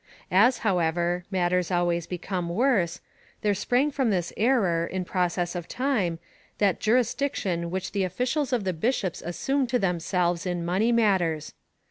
As, however, matters always become worse, there sprang from this error, in process of time, that juris diction which the officials of the bishops assume to them selves in money matters.